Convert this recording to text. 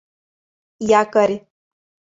Якорь.